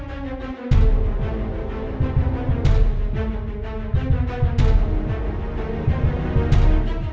nah kosong deh